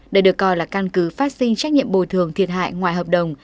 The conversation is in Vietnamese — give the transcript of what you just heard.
đây được coi là căn cứ phát sinh trách nhiệm bồi thường thiệt hại ngoài hợp đồng